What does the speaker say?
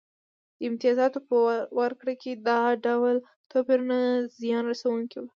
د امتیازونو په ورکړه کې دا ډول توپیرونه زیان رسونکي وو